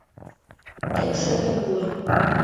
Тек шӧрен пуа...